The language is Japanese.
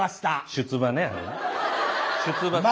「出馬」ね。